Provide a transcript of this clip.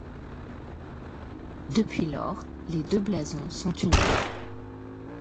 Depuis lors, les deux blasons sont unis.